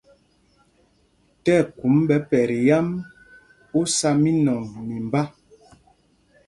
Tí ɛkum ɓɛ pɛt yǎm, ú sá mínɔŋ mimbá.